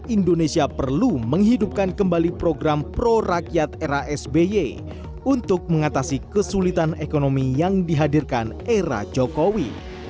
indonesia perlu menghidupkan kembali program pro rakyat era sby untuk mengatasi kesulitan ekonomi yang dihadirkan era jokowi